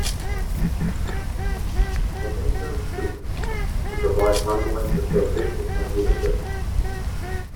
An "Interim Steward" would provide ongoing facilitation and leadership.